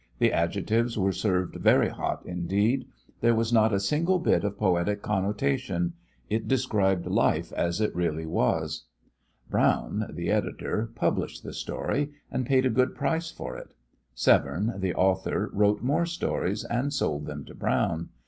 The adjectives were served very hot indeed. There was not a single bit of poetic connotation. It described life as it really was. Brown, the editor, published the story, and paid a good price for it. Severne, the author, wrote more stories, and sold them to Brown.